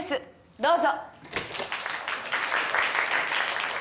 どうぞ。